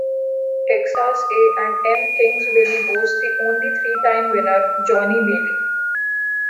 Texas A and M-Kingsville boasts the only three-time winner, Johnny Bailey.